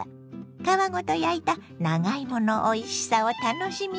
皮ごと焼いた長芋のおいしさを楽しみます。